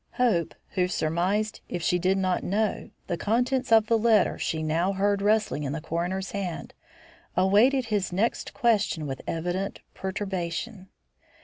Hope, who surmised, if she did not know, the contents of the letter she now heard rustling in the coroner's hand, awaited his next question with evident perturbation.